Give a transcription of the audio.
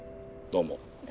どうも。